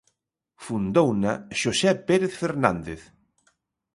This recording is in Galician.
Fundouna Xosé Pérez Fernández.